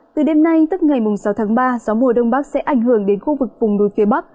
từ đêm nay tức ngày sáu tháng ba gió mùa đông bắc sẽ ảnh hưởng đến khu vực vùng núi phía bắc